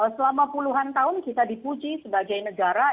selama puluhan tahun kita dipuji sebagai negara